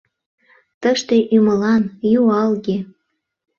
Тыште ӱмылан, юалге.